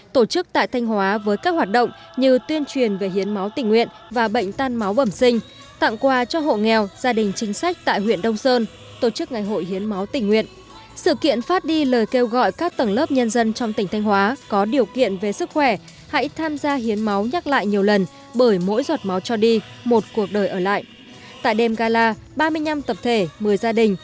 tối hai mươi tháng bảy tại huyện đông sơn tỉnh thanh hóa đêm gala giọt hồng sứ thanh cùng lễ khai mạc chương trình hành trình đỏ kết nối dòng máu việt